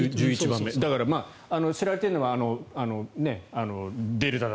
だから知られているのはデルタだ